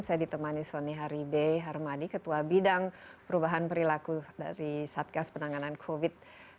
saya ditemani sony haribe harmadi ketua bidang perubahan perilaku dari satgas penanganan covid sembilan belas